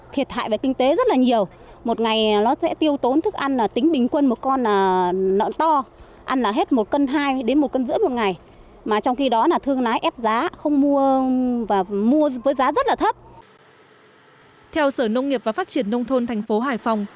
theo sở nông nghiệp và phát triển nông thôn thành phố hải phòng